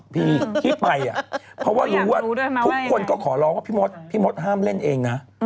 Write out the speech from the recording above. พี่ที่ไปเพราะว่ารู้ว่าทุกคนก็ขอร้องว่าพี่มดพี่มดห้ามเล่นเองนะ